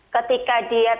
ketika dia tidak